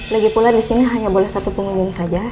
lagipula di sini hanya boleh satu pengumum saja